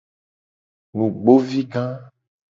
Nugbovi ga.